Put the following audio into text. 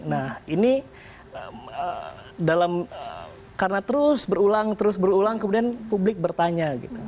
nah ini karena terus berulang terus berulang kemudian publik bertanya gitu